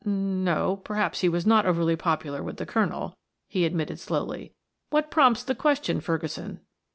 "N no, perhaps he was not over popular with the colonel," he admitted slowly. "What prompts the question, Ferguson?"